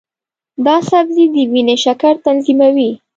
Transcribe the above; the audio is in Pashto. دا سبزی د وینې شکر تنظیموي.